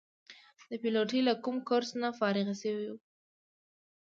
د پیلوټۍ له کوم کورس نه فارغ شوي وو.